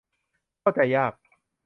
เข้าใจยาก